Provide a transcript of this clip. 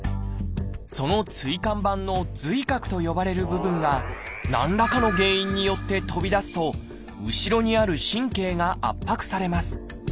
その椎間板の髄核と呼ばれる部分が何らかの原因によって飛び出すと後ろにある神経が圧迫されます。